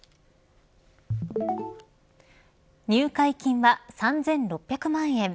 入会金は３６００万円。